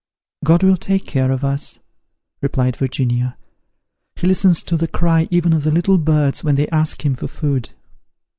"God will take care of us," replied Virginia; "he listens to the cry even of the little birds when they ask him for food."